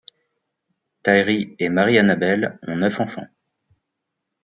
Tyree et Mary Ann Bell ont neuf enfants.